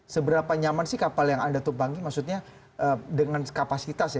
seberapa nyaman sih kapal yang anda tumpangi maksudnya dengan kapasitas ya